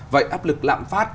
vậy áp lực lạm phát